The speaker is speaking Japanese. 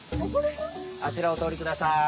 あちらをおとおりください！